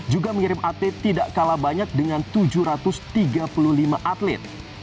juga mengirim atlet tidak kalah banyak dengan tujuh ratus tiga puluh lima atlet